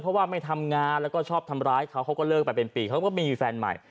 เพราะว่าไม่ทำงานแล้วก็ชอบทำร้ายเขาเขาก็เลิกไปเป็นปีเขาก็ไม่มีแฟนใหม่